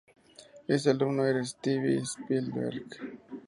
Ese alumno era Steven Spielberg.